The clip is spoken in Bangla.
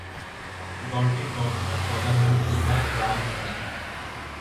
দলটির বর্তমান প্রধান হলেন ইভা গ্লাউসনিগ।